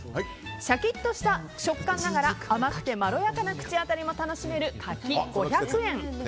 シャキッとした食感ながら甘くてまろやかな口当たりも楽しめる柿、５００円。